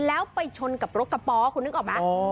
แล้วไปชนกับรถกระป๋อคุณนึกออกไหม